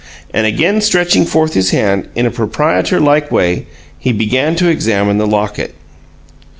And again stretching forth his hand, in a proprietor like way, he began to examine the locket.